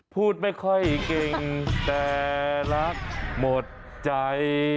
พูดไม่ค่อยเก่งแต่รักหมดใจ